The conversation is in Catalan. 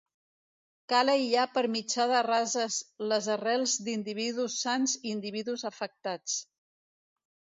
Cal aïllar per mitjà de rases les arrels d'individus sans i individus afectats.